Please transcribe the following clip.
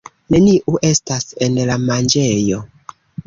Neniu estas en la manĝejo.